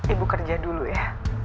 ibu kerja dulu ya